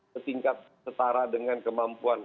ketingkat setara dengan kemampuan